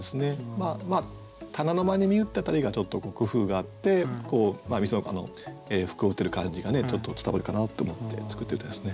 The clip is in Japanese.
まあ「棚の間に見ゆ」って辺りがちょっと工夫があって店の服を売ってる感じがねちょっと伝わるかなと思って作った歌ですね。